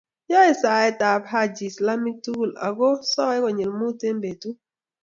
Yoe saetab Hija islamek tugul aku soe konyil mut eng' betut